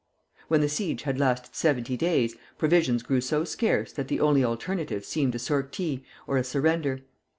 When the siege had lasted seventy days, provisions grew so scarce that the only alternatives seemed a sortie or a surrender.